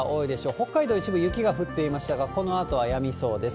北海道、一部雪が降っていましたが、このあとはやみそうです。